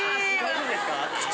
大丈夫ですか？